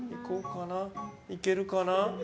いけるかな？